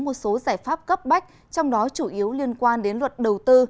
một số giải pháp cấp bách trong đó chủ yếu liên quan đến luật đầu tư